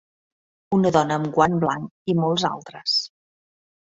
Una dona amb guant blanc i molts altres.